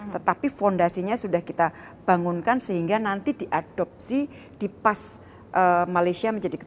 tetapi fondasinya sudah kita bangunkan sehingga nanti diadopsi di pas malaysia menjadi ketua